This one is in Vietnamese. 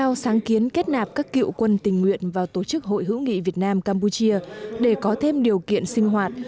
chủ tịch nước trần đại quang nhấn kết nạp các cựu quân tình nguyện vào tổ chức hội hữu nghị việt nam campuchia để có thêm điều kiện sinh hoạt